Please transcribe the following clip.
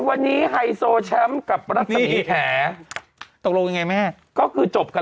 วันนี้ไฮโซแชมป์กับรัศมีแขตกลงยังไงแม่ก็คือจบกัน